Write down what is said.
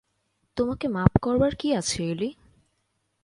তোমাকে মাপ করবার কী আছে এলী?